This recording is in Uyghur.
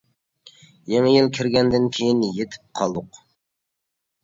يېڭى يىل كىرگەندىن كېيىن يېتىپ قالدۇق.